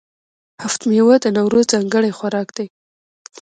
هفت میوه د نوروز ځانګړی خوراک دی.